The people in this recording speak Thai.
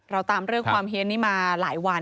เราตามเรื่องความเฮียนนี้มาหลายวัน